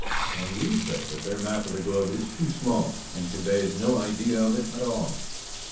And we say that their map of the globe is too small, and conveys no idea of it at all.